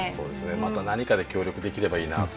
また何かで協力できればいいなと。